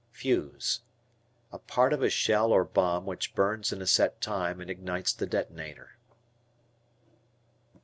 Fuse. A part of shell or bomb which burns in a set time and ignites the detonator.